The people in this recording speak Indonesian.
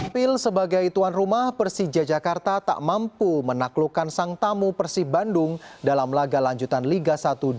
pil sebagai tuan rumah persija jakarta tak mampu menaklukkan sang tamu persib bandung dalam laga lanjutan liga satu dua ribu dua puluh